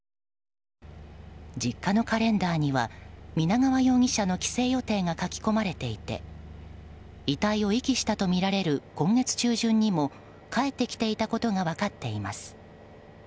実家のカレンダーには皆川容疑者の帰省予定が書き込まれていて遺体を遺棄したとみられる今月中旬にも帰ってきていたことが分かっています。